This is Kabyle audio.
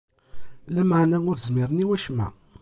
Lameɛna ur zmiren i wacemma.